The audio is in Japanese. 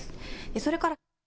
それから。